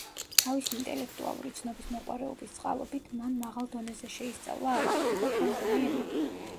თავისი ინტელექტუალური ცნობისმოყვარეობის წყალობით, მან მაღალ დონეზე შეისწავლა არაბული და ფრანგული ენები.